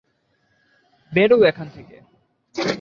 বেরোও এখান থেকে!